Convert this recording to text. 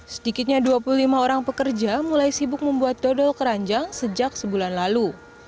sedikitnya dua puluh lima orang pekerja mulai sibuk membuat dodol keranjang sejak sebulan lalu